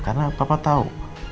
karena papa tahu